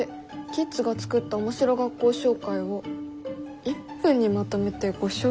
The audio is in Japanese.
キッズが作った面白学校紹介を１分にまとめてご紹介」？